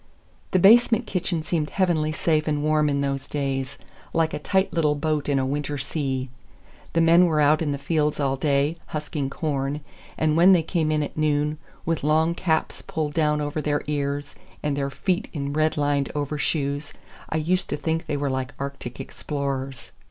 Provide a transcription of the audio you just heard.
The basement kitchen seemed heavenly safe and warm in those days—like a tight little boat in a winter sea. The men were out in the fields all day, husking corn, and when they came in at noon, with long caps pulled down over their ears and their feet in red lined overshoes, I used to think they were like Arctic explorers.